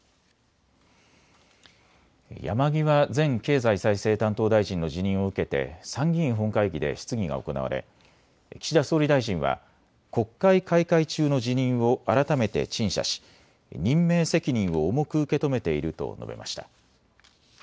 山際前経済再生担当大臣の辞任を受けて参議院本会議で質疑が行われ岸田総理大臣は国会開会中の辞任を改めて陳謝し任命責任を重く受け止めていると述べました。